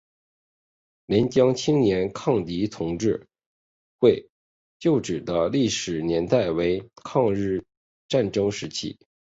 廉江青年抗敌同志会旧址的历史年代为抗日战争时期。